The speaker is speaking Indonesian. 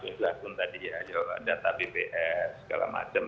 ya mas bakun tadi ya data bps segala macam